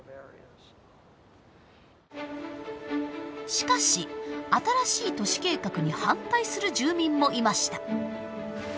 しかし新しい都市計画に反対する住民もいました。